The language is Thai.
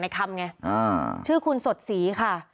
คำไงชื่อคุณสดศรีค่ะ